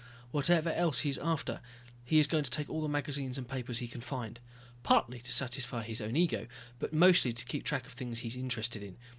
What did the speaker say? Whatever else he is after, he is going to take all of the magazines and papers he can find. Partly to satisfy his own ego, but mostly to keep track of the things he is interested in.